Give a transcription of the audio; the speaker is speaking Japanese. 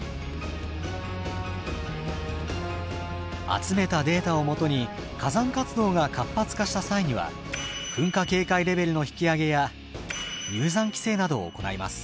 集めたデータをもとに火山活動が活発化した際には噴火警戒レベルの引き上げや入山規制などを行います。